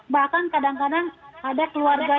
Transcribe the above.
bahkan kadang kadang ada keluarganya yang